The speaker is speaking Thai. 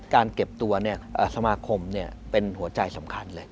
การเก็บตัวสมาคมเป็นหัวใจสำคัญเลย